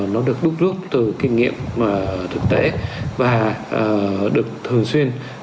nó được đúc rút từ kinh nghiệm thực tế và được thường xuyên